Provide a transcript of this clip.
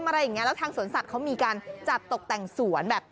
อะไรอย่างเงี้แล้วทางสวนสัตว์เขามีการจัดตกแต่งสวนแบบ